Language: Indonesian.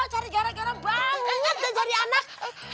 cari gara gara banget dan cari anak